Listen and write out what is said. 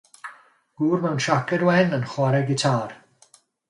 Gŵr mewn siaced wen yn chwarae gitâr.